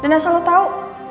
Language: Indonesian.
dan asal lo tau